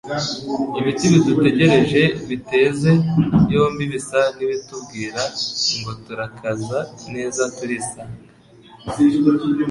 ibiti bidutegereje biteze yombi bisa n'ibitubwira ngo turakaza neza turisanga